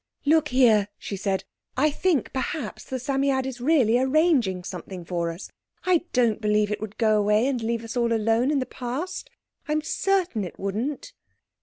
"Look here!" she said. "I think perhaps the Psammead is really arranging something for us. I don't believe it would go away and leave us all alone in the Past. I'm certain it wouldn't."